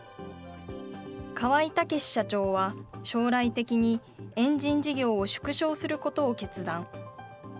川合尊社長は、将来的に、エンジン事業を縮小することを決断。